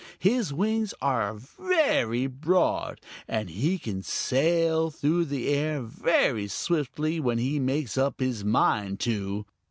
His wings are very broad, and he can sail through the air very swiftly when he makes up his mind to.